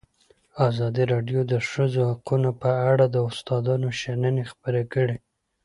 ازادي راډیو د د ښځو حقونه په اړه د استادانو شننې خپرې کړي.